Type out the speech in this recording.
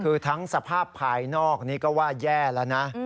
คือทั้งสภาพภายนอกนี้ก็ว่าแย่แล้วนะ